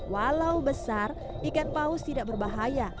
walau besar ikan paus tidak berbahaya